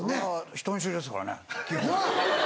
人見知りですからね基本。なぁ。